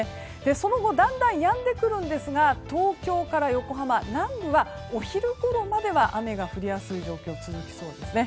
その後だんだんやんでくるんですが東京から横浜南部は、お昼ごろまでは雨が降りやすい状況が続きそうです。